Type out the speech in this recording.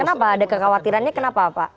kenapa ada kekhawatirannya kenapa pak